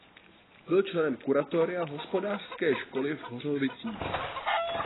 Byl členem kuratoria hospodářské školy v Hořovicích.